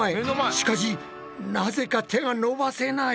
しかしなぜか手が伸ばせない。